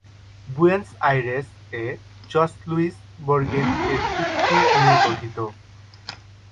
Buenos আইরেস-এ George Luis বোর্গেস-এর উক্তি নিয়ে গঠিত।